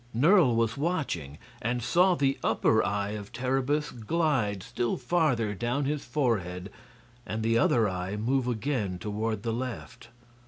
Nerle was watching, and saw the upper eye of Terribus glide still farther down his forehead and the other eye move again toward the left.